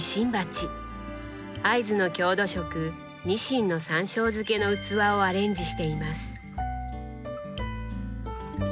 会津の郷土食鰊のさんしょう漬けの器をアレンジしています。